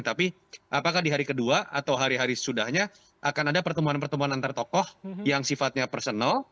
tapi apakah di hari kedua atau hari hari sesudahnya akan ada pertemuan pertemuan antar tokoh yang sifatnya personal